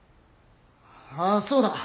ああそうだ。